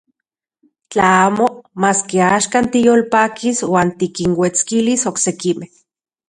Tla amo, maski axkan tiyolpakis uan tikinuetskilis oksekimej.